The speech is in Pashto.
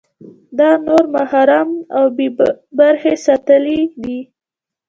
ده نور محروم او بې برخې ساتلي دي.